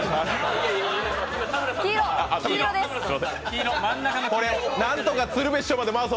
黄色です。